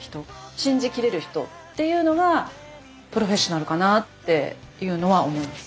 信じ切れる人っていうのがプロフェッショナルかなっていうのは思います。